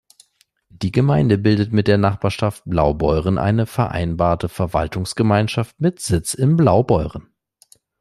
Die Gemeinde bildet mit der Nachbarstadt Blaubeuren eine Vereinbarte Verwaltungsgemeinschaft mit Sitz in Blaubeuren.